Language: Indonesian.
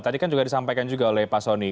tadi kan juga disampaikan juga oleh pak soni